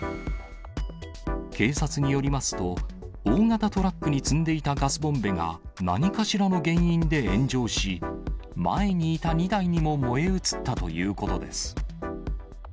警察によりますと、大型トラックに積んでいたガスボンベが何かしらの原因で炎上し、前にいた２台にも燃え移ったということです。